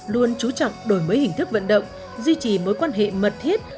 luôn chú trọng đổi mới hình thức vận động duy trì mối quan hệ mật thiết